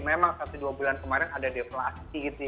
memang satu dua bulan kemarin ada deflasi gitu ya